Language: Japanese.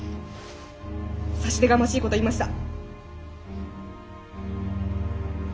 差し出がましいことを言いました。